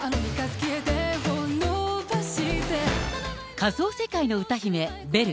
仮想世界の歌姫、ベル。